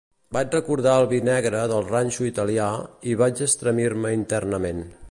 Vaig recordar el vi negre del ranxo italià, i vaig estremir-me internament.